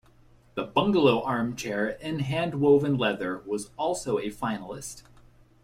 The Bungalow Armchair in hand woven leather was also a finalist.